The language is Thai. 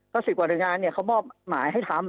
๑๐กว่าหน่วยงานเขามอบหมายให้ทำ